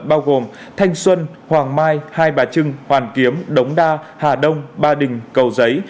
bao gồm thanh xuân hoàng mai hai bà trưng hoàn kiếm đống đa hà đông ba đình cầu giấy